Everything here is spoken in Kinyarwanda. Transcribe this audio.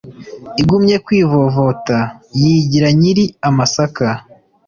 Igumye kwivovota, Yigira nyiri amasaka !